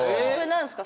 何すか？